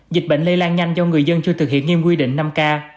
dịch bệnh lây lan nhanh do người dân chưa thực hiện nghiêm quy định năm k